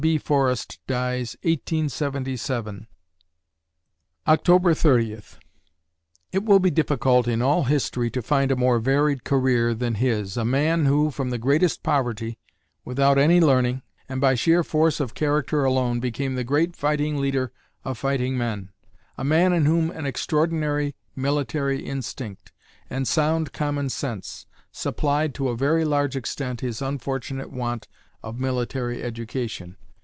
B. Forrest dies, 1877_ October Thirtieth It will be difficult in all history to find a more varied career than his, a man who, from the greatest poverty, without any learning, and by sheer force of character alone became the great fighting leader of fighting men, a man in whom an extraordinary military instinct and sound common sense supplied to a very large extent his unfortunate want of military education.